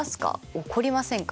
起こりませんか？